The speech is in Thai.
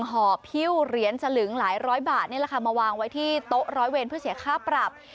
ห่อพิ้วเหรียญสลึงหลายร้อยบาทนี่แหละค่ะมาวางไว้ที่โต๊ะร้อยเวรเพื่อเสียค่าปรับ